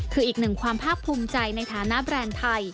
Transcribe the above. คืออีกหนึ่งความภาคภูมิใจในฐานะแบรนด์ไทย